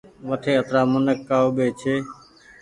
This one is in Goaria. وٺي اترآ منک ڪآ اوٻي ڇي۔